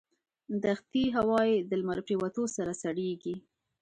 دښتي هوا یې د لمر پرېوتو سره سړېږي.